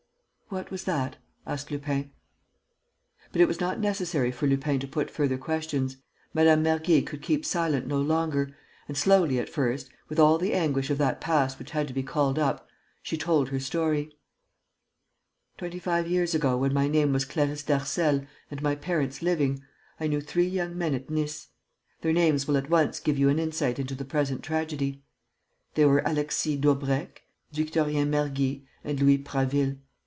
"What was that?" asked Lupin. But it was not necessary for Lupin to put further questions. Madame Mergy could keep silent no longer and, slowly at first, with all the anguish of that past which had to be called up, she told her story: "Twenty five years ago, when my name was Clarisse Darcel and my parents living, I knew three young men at Nice. Their names will at once give you an insight into the present tragedy: they were Alexis Daubrecq, Victorien Mergy and Louis Prasville.